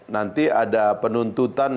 nanti ada penuntutan